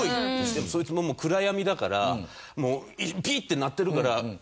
でもそいつも暗闇だからもうピッて鳴ってるから。